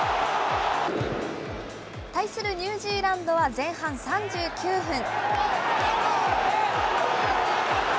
対するニュージーランドは前半３９分。